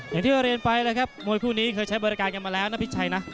อย่างที่เราเรียนไปแล้วครับมวยคู่นี้เคยใช้บริการกันมาแล้วนะพี่ชัยนะ